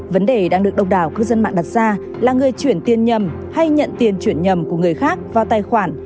vấn đề đang được đông đảo cư dân mạng đặt ra là người chuyển tiền nhầm hay nhận tiền chuyển nhầm của người khác vào tài khoản